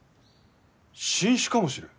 新種かもしれん。